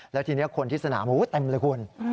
แล้วทีนี้คนที่สนามเต็มเลยคุณ